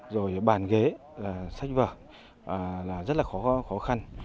rồi bàn ghế là sách vở là rất là khó khăn